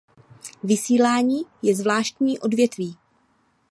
Vysílání je zvláštní odvětví.